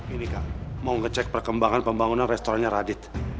ini kak mau ngecek perkembangan pembangunan restorannya radit